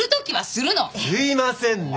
すいませんね。